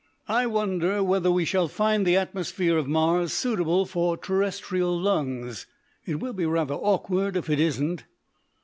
"I wonder whether we shall find the atmosphere of Mars suitable for terrestrial lungs. It will be rather awkward if it isn't."